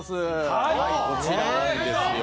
はいこちらなんですよ。